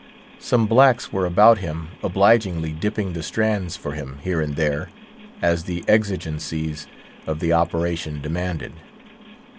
Some blacks were about him obligingly dipping the strands for him, here and there, as the exigencies of the operation demanded.